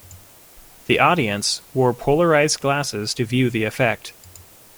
The audience wore polarized glasses to view the effect.